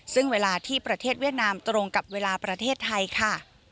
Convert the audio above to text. ซึ่งเวลาที่ประเทศเวียดนามตรงกับเวลาประเทศไทยค่ะ